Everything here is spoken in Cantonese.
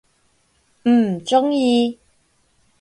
嗯，中意！